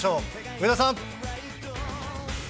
上田さん。